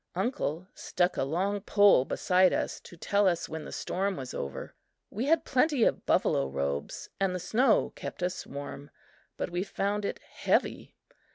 Uncle stuck a long pole beside us to tell us when the storm was over. We had plenty of buffalo robes and the snow kept us warm, but we found it heavy.